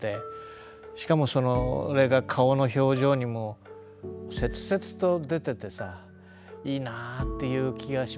しかもそれが顔の表情にも切々と出ててさいいなぁっていう気がします。